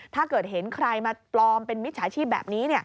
ถ้าเกิดเห็นใครมาปลอมเป็นมิจฉาชีพแบบนี้